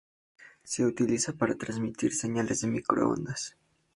Se utiliza para transmitir señales de microondas.